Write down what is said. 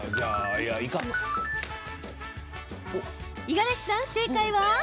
五十嵐さん、正解は？